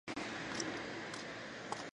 カメの速度に感謝の日。